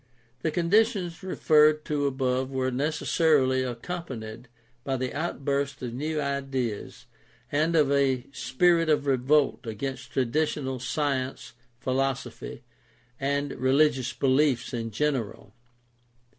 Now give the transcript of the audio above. — The conditions referred to above were necessarily accompanied by the out burst of new ideas and of a spirit of revolt against traditional science, philosophy, and rehgious beliefs in general.